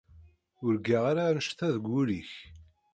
Ur ggar ara annect-a deg wul-ik.